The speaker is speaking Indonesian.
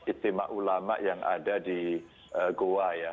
istimewa ulama yang ada di goa ya